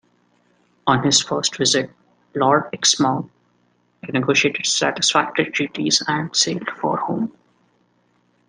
On his first visit, Lord Exmouth negotiated satisfactory treaties and sailed for home.